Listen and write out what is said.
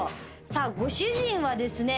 さあご主人はですね